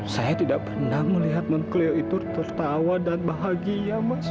saya tidak pernah melihat non cleo itu tertawa dan bahagia mas